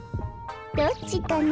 どっちかな？